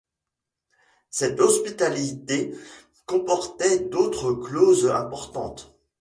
Cette hospitalité comportait d'autres clauses importantes.